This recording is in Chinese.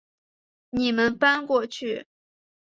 你们搬过去